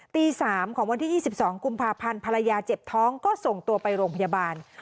ตี๓ของวันที่๒๒กุมภาพันธ์ภรรยาเจ็บท้องก็ส่งตัวไปโรงพยาบาล